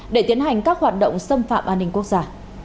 để tiến hành các hoạt động xâm phạm an ninh quốc gia